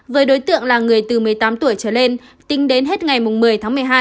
với đối tượng là người từ một mươi tám tuổi trở lên tính đến hết ngày một mươi tháng một mươi hai